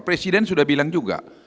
presiden sudah bilang juga